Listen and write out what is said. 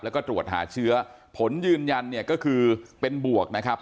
แล้วก็ตรวจหาเชื้อผลยืนยันเนี่ยก็คือเป็นบวกนะครับ